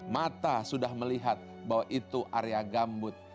mata sudah melihat bahwa itu area gambut